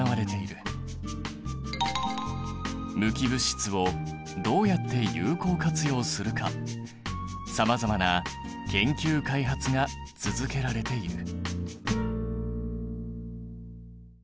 無機物質をどうやって有効活用するかさまざまな研究・開発が続けられている。